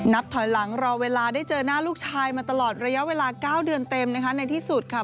ถอยหลังรอเวลาได้เจอหน้าลูกชายมาตลอดระยะเวลา๙เดือนเต็มนะคะในที่สุดค่ะ